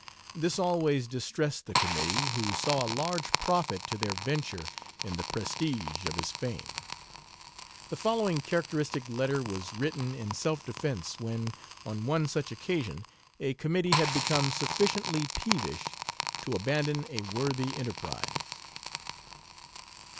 This always distressed the committee, who saw a large profit to their venture in the prestige of his fame. The following characteristic letter was written in self defense when, on one such occasion, a committee had become sufficiently peevish to abandon a worthy enterprise.